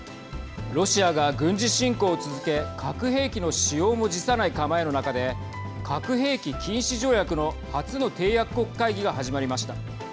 ロシアが軍事侵攻を続け核兵器の使用も辞さない構えの中で核兵器禁止条約の初の締約国会議が始まりました。